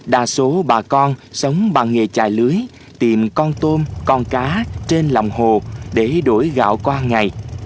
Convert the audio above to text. đa số bà con sống bằng nghề trài lưới tìm con tôm con cá trên lòng hồ để đổi gạo qua ngày